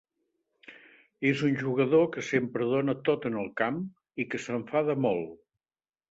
És un jugador que sempre dóna tot en el camp, i que s'enfada molt.